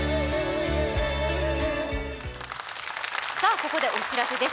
ここでお知らせです。